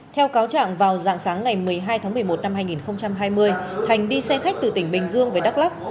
theo cáo trạng vào dạng sáng ngày một mươi hai tháng một mươi một năm hai nghìn hai mươi thành đi xe khách từ tỉnh bình dương về đắk lắc